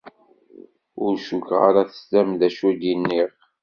Ur cukkeɣ ara teslam-d acu i d-nniɣ.